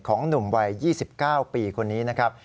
หนุ่มวัย๒๙ปีคนนี้นะครับ